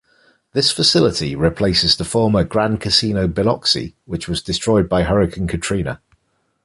This facility replaces the former Grand Casino Biloxi, which was destroyed by Hurricane Katrina.